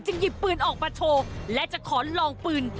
หยิบปืนออกมาโชว์และจะขอลองปืน